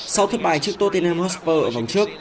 sau thất bại trước tottenham hotspur ở vòng trước